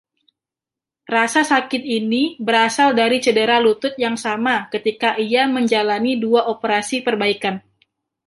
Rasa sakit ini berasal dari cedera lutut yang sama ketika ia menjalani dua operasi perbaikan.